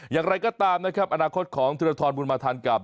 อย่างไรก็ตามนะครับอนาคตของธุรทรบุญมาทันกับ